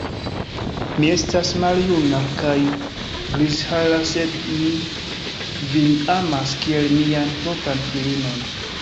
Mi estas maljuna kaj grizhara, sed mi vin amas kiel mian propran filinon.